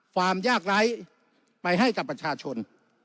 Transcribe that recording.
ความยากไร้ไปให้กับประชาชน